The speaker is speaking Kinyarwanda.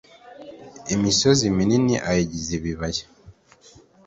imisozi minini ayigire ibibaya